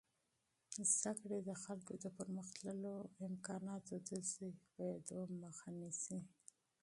تعلیم د نفوس د پرمختللو امکاناتو د ضعیفېدو مخه نیسي.